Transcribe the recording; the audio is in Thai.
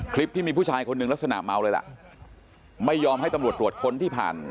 คลิปที่มีผู้ชายคนหนึ่งลักษณะเมาเลยล่ะไม่ยอมให้ตำรวจตรวจค้นที่ผ่าน